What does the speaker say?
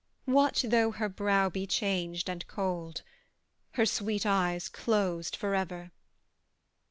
What though her brow be changed and cold, Her sweet eyes closed for ever?